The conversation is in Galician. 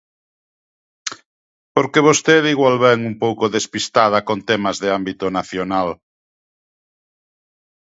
Porque vostede igual vén un pouco despistada con temas de ámbito nacional.